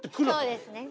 そうですね。